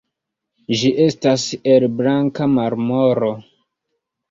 Ĝi estas el blanka marmoro.